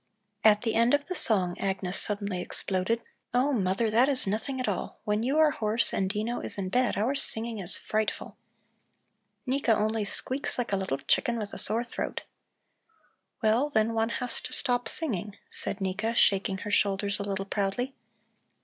At the end of the song Agnes suddenly exploded: "Oh, mother, that is nothing at all. When you are hoarse and Dino is in bed, our singing is frightful. Nika only squeaks like a little chicken with a sore throat." "Well, then one has to stop singing," said Nika, shaking her shoulders a little proudly.